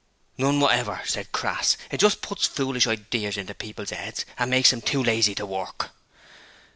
'None whatever,' said Crass, 'it just puts foolish idears into people's 'eds and makes 'em too lazy to work.'